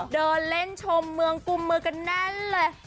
เดินเล่นชมเมืองกุมมือกันแน่นเลย